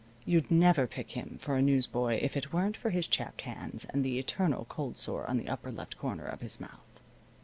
You'd never pick him for a newsboy if it weren't for his chapped hands and the eternal cold sore on the upper left corner of his mouth.